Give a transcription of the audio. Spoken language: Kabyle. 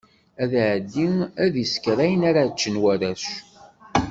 Ad iɛeddi ad isker ayen ara ččen warrac.